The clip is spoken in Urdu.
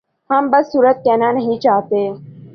ہم بد صورت کہنا نہیں چاہتے